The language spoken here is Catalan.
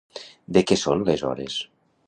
Què són les Hores?